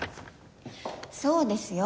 そうですよ。